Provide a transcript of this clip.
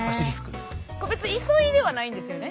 これ別に急いではないんですよね？